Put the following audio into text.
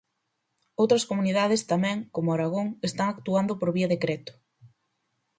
Outras comunidades tamén, como Aragón, están actuando por vía decreto.